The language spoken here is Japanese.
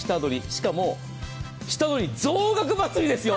しかも下取り増額祭りですよ。